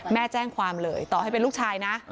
แม่แจ้งความเลยต่อให้เป็นลูกชายนะ